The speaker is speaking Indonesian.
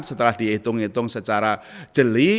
setelah dihitung hitung secara jeli